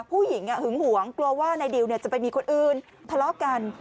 ผู้หญิงหึงหวงกลัวว่านายดิวเนี่ยจะไปมีคนอื่นทะเลาะกัน